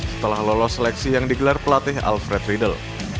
setelah lolos seleksi yang digelar pelatih alfred riedel